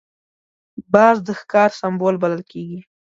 باز د ښکار سمبول بلل کېږي